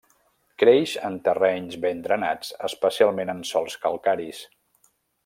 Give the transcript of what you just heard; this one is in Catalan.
Creix en terrenys ben drenats especialment en sòls calcaris.